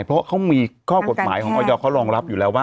เพราะเขามีข้อกฎหมายของออยเขารองรับอยู่แล้วว่า